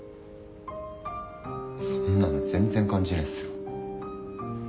そんなの全然感じないっすよ。